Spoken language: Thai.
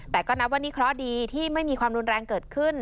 แต่ก็นับว่านี่เคราะห์ดีที่ไม่มีความรุนแรงเกิดขึ้น